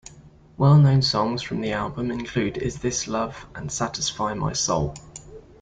Well-known songs from the album include "Is This Love" and "Satisfy My Soul".